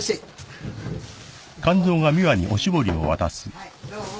はいどうも。